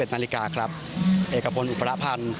๑นาฬิกาครับเอกพลอุประพันธ์